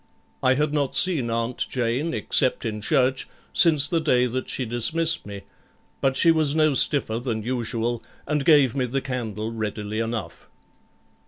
I had not seen Aunt Jane, except in church, since the day that she dismissed me, but she was no stiffer than usual, and gave me the candle readily enough.